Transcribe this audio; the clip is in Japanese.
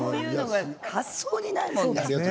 発想にないもんね。